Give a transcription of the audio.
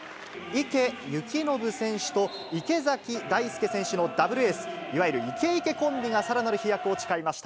池透暢選手と池崎大輔選手のダブルエース、いわゆるいけいけコンビがさらなる飛躍を誓いました。